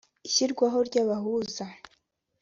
Ishyirwaho ry ‘ Abahuza.